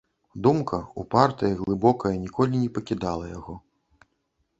Думка, упартая і глыбокая, ніколі не пакідала яго.